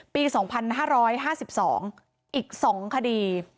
ปี๒๕๕๒อีก๒คดี